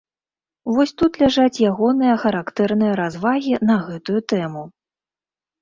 Вось тут ляжаць ягоныя характэрныя развагі на гэтую тэму.